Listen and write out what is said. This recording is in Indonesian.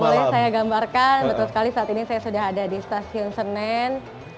dan kalau boleh saya gambarkan betul sekali saat ini saya sudah ada di stasiun senen